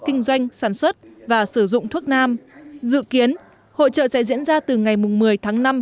kinh doanh sản xuất và sử dụng thuốc nam dự kiến hội trợ sẽ diễn ra từ ngày một mươi tháng năm